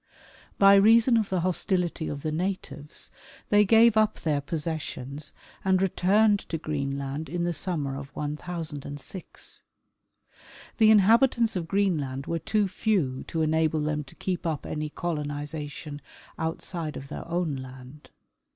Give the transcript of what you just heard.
By reason of the hostility of the natives they gave up their possessions and returned to Green land in the summer of 1006. The inhabitants of Greenland were too few to enable them to keep up any colonization outside of their own land.